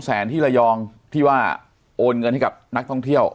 แสนที่ระยองที่ว่าโอนเงินให้กับนักท่องเที่ยว